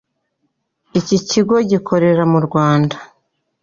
Iki kigo gikorera mu Rwanda